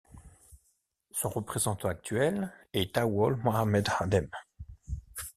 Son représentant actuel est Awole Mohammed Adem.